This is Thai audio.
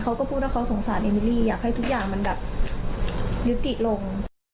เขาก็พูดว่าเขาสงสารเอมิลี่อยากให้ทุกอย่างมันแบบยุติลง